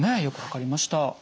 よく分かりました。